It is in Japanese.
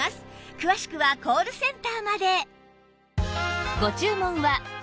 詳しくはコールセンターまで